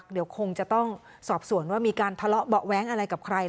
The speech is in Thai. เดี๋ยวคงจะต้องสอบสวนว่ามีการทะเลาะเบาะแว้งอะไรกับใคร